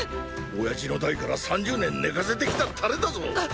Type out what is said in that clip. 親父の代から３０年寝かせてきたタレだぞ。